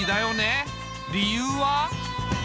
理由は。